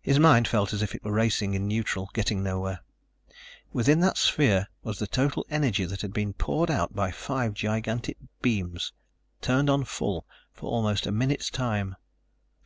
His mind felt as if it were racing in neutral, getting nowhere. Within that sphere was the total energy that had been poured out by five gigantic beams, turned on full, for almost a minute's time.